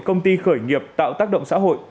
công ty khởi nghiệp tạo tác động xã hội